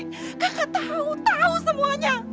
kakak tau tau semuanya